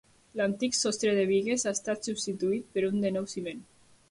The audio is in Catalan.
L'antic sostre de bigues ha estat substituït per un de nou ciment.